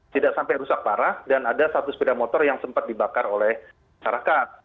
tidak sampai rusak parah dan ada satu sepeda motor yang sempat dibakar oleh masyarakat